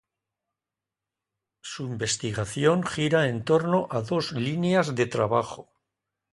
Su investigación gira en torno a dos líneas de trabajo.